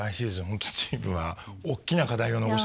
本当チームは大きな課題を残して。